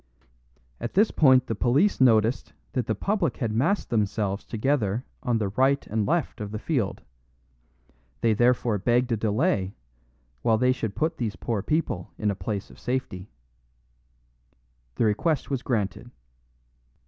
At this point the police noticed that the public had massed themselves together on the right and left of the field; they therefore begged a delay, while they should put these poor people in a place of safety. The request was granted.